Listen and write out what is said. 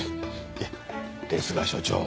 いやですが署長。